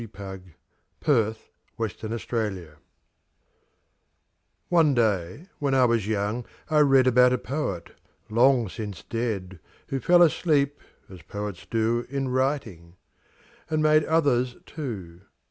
XXIX THE POET WHO SLEEPS One day, when I was young, I read About a poet, long since dead, Who fell asleep, as poets do In writing and make others too.